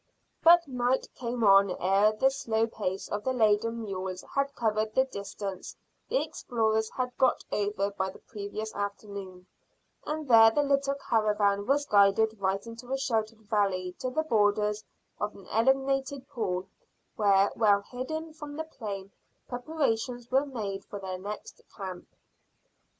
But night came on ere the slow pace of the laden mules had covered the distance the explorers had got over by the previous afternoon, and there the little caravan was guided right into a sheltered valley to the borders of an elongated pool, where, well hidden from the plain, preparations were made for their next camp.